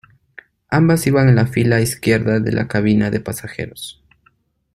Ambas iban en la fila izquierda de la cabina de pasajeros.